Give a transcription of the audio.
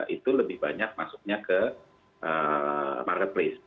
itu lebih banyak masuknya ke marketplace